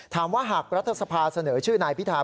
หากรัฐสภาเสนอชื่อนายพิธา